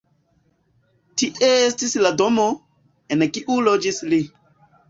Tie estas la domo, en kiu loĝis li.